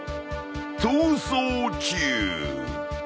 ［逃走中］